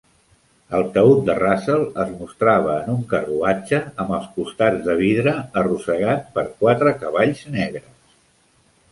El taüt de Russell es mostrava en un carruatge amb els costats de vidre, arrossegat per quatre cavalls negres.